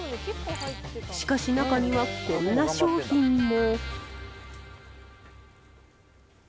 しかし、中にはこんな商品も。